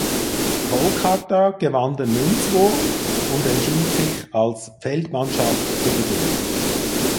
Kolkata gewann den Münzwurf und entschied sich als Feldmannschaft zu beginnen.